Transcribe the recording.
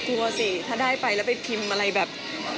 กลัวสิถ้าได้ไปแล้วไปพิมพ์อะไรแบบ